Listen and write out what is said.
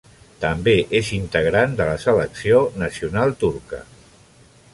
També és integrant de la selecció nacional turca.